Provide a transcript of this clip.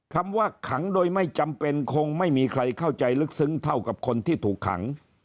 คำว่าขังโดยไม่จำเป็นคงไม่มีใครเข้าใจลึกซึ้งเท่ากับคนที่ถูกขัง